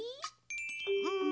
うん。